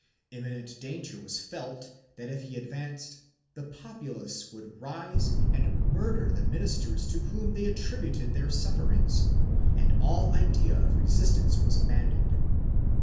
Imminent danger was felt that if he advanced the populace would rise and murder the ministers to whom they attributed their sufferings, and all idea of resist ance was abandoned.